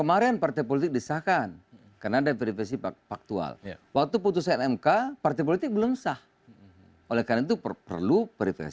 calon presiden yang populer